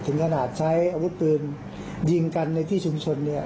ถึงขนาดใช้อาวุธปืนยิงกันในที่ชุมชนเนี่ย